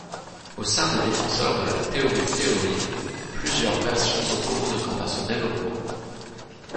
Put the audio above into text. Au sein des défenseurs de la théorie-théorie, plusieurs versions s'opposent quant à son développement.